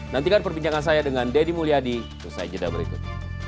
nantikan perbincangan saya dengan deddy mulyadi di usai jeddah berikut